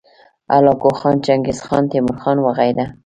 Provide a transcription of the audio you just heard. هلاکو خان، چنګیزخان، تیمورخان وغیره